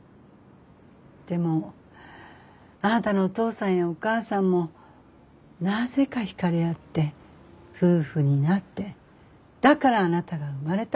でもあなたのお父さんやお母さんもなぜか惹かれ合って夫婦になってだからあなたが生まれた。